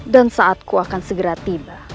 dan saatku akan segera tiba